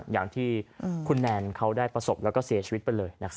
อย่างที่คุณแนนเขาได้ประสบแล้วก็เสียชีวิตไปเลย